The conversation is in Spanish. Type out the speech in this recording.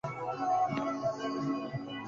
Es la mayor de dos hermanos y madre de una niña.